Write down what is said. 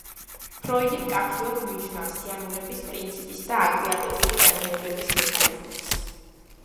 ფროიდი მკაფიოდ მიჯნავს სიამოვნების პრინციპის და აკვიატებული განმეორების მექანიზმებს.